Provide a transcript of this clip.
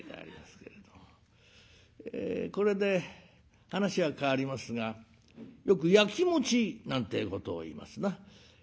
これで話は変わりますがよくやきもちなんてえことをいいますな。